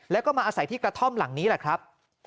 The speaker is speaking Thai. แล้วก็มาอาศัยที่กระท่อมหลังนี้แหละครับ